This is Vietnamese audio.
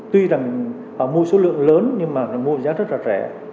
tuy rằng họ mua số lượng lớn nhưng mà mua giá rất là rẻ